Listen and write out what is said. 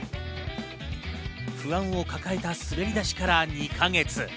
不安を抱えた滑り出しから２か月。